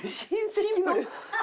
シンプル。